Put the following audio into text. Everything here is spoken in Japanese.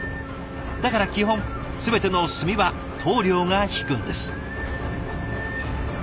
だから基本全ての墨は棟梁が引くんです。